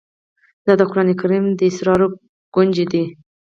دا د قرآن کريم د اسرارو كونجي ده